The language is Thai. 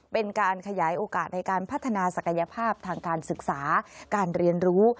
เป็นการขยายโอกาสในการพัฒนาศักยภาพทางการศึกษาการเรียนรู้